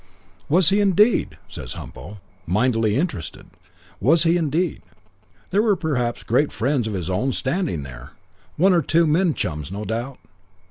"'Was he, indeed?' says Humpo, mightily interested. 'Was he, indeed? There were perhaps great friends of his own standing there, one or two men chums, no doubt?'